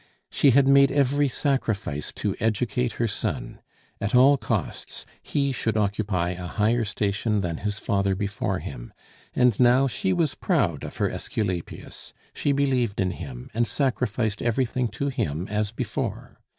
She had made every sacrifice to educate her son. At all costs, he should occupy a higher station than his father before him; and now she was proud of her Aesculapius, she believed in him, and sacrificed everything to him as before.